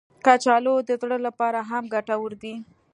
کچالو د زړه لپاره هم ګټور دي